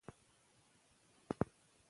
ښوونه بنسټیزه ده.